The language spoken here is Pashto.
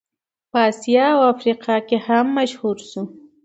په اسیا او افریقا کې هم مشهور شو.